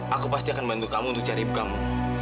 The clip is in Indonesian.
aku pasti akan bantu kamu untuk cari kamu